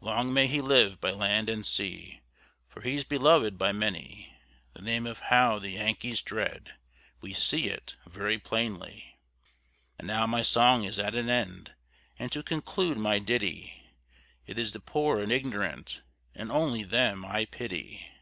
Long may he live by land and sea, For he's belov'd by many; The name of Howe the Yankees dread, We see it very plainly. And now my song is at an end: And to conclude my ditty, It is the poor and ignorant, And only them, I pity.